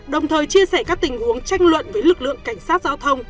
đồng thời chia sẻ các tình huống tranh luận với lực lượng cảnh sát giao thông